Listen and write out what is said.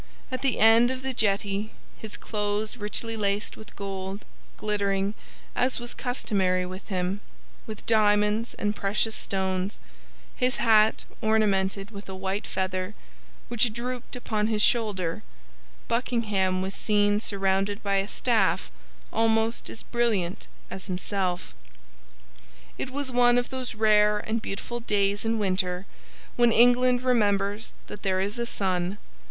At the end of the jetty, his clothes richly laced with gold, glittering, as was customary with him, with diamonds and precious stones, his hat ornamented with a white feather which drooped upon his shoulder, Buckingham was seen surrounded by a staff almost as brilliant as himself. It was one of those rare and beautiful days in winter when England remembers that there is a sun.